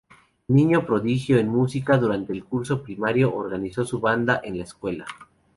Niño prodigio en música, durante el curso primario organizó su banda, en la escuela.